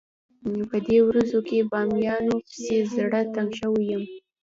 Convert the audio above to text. په دې ورځو کې بامیانو پسې زړه تنګ شوی.